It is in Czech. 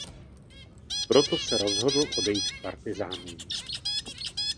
Proto se rozhodl odejít k partyzánům.